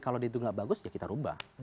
kalau di itu nggak bagus ya kita rubah